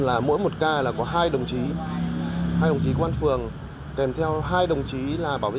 là mỗi một ca là có hai đồng chí hai đồng chí công an phường kèm theo hai đồng chí là bảo vệ